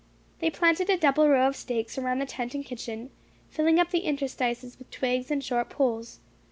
They planted a double row of stakes around the tent and kitchen, filling up the interstices with twigs and short poles.